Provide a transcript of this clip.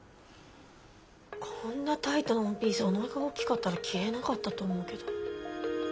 こんなタイトなワンピースおなかが大きかったら着れなかったと思うけど。